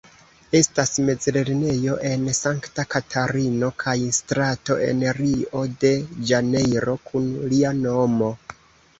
Estas mezlernejo en Sankta Katarino kaj strato en Rio-de-Ĵanejro kun lia nomo.